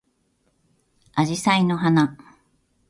あじさいの花